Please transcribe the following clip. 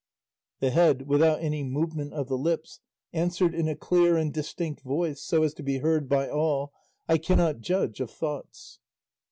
The head, without any movement of the lips, answered in a clear and distinct voice, so as to be heard by all, "I cannot judge of thoughts."